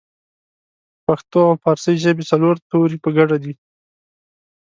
پښتو او پارسۍ ژبې څلور توري په ګډه دي